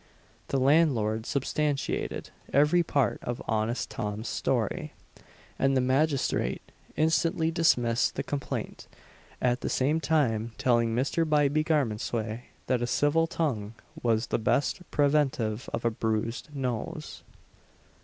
The landlord substantiated every part of honest Tom's story, and the magistrate instantly dismissed the complaint; at the same time telling Mr. Bybie Garmondsway that a civil tongue was the best preventive of a bruised nose.